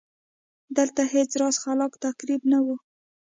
دلته هېڅ راز خلاق تخریب نه و.